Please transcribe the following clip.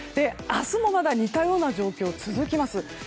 明日もまだ似たような状況続きます。